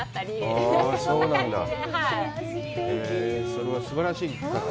それはすばらしい。